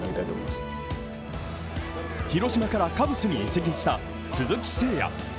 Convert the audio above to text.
広島からカブスに移籍した鈴木誠也。